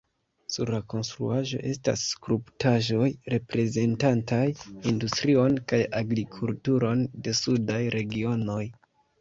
Sur la konstruaĵo estas skulptaĵoj, reprezentantaj industrion kaj agrikulturon de sudaj regionoj.